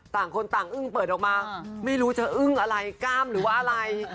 ต่างคนต่างอึ้งเปิดออกมาไม่รู้จะอึ้งอะไรกล้ามหรือว่าอะไร